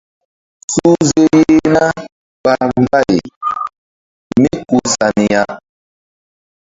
Suhze yeh na ɓa mbay mí ku sa ni ya.